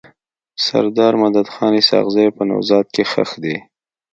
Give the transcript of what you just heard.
سردار مددخان اسحق زی په نوزاد کي ښخ دی.